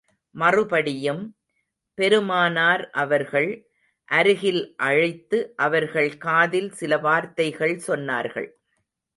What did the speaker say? மறுபடியும், பெருமானார் அவர்கள், அருகில் அழைத்து அவர்கள் காதில் சில வார்த்தைகள் சொன்னார்கள்.